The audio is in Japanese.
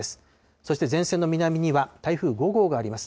そして前線の南には、台風５号があります。